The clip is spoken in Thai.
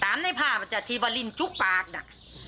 ตามในภาพจะทีบรินจุกปากน่ะ